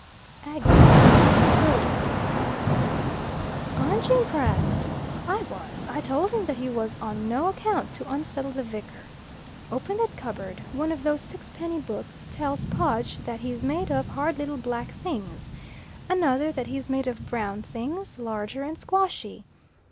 Agnes looked bewildered. "Aren't you impressed? I was. I told him that he was on no account to unsettle the vicar. Open that cupboard, one of those sixpenny books tells Podge that he's made of hard little black things, another that he's made of brown things, larger and squashy.